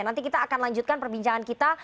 nanti kita akan lanjutkan perbincangan kita